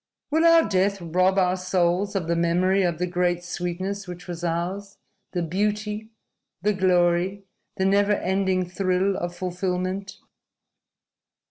Will our death rob our souls of the memory of the great sweetness which was ours, the beauty, the glory, the never ending thrill of fulfillment?"